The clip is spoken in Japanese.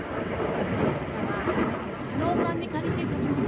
そしたら妹尾さんにかりてかきましょうか。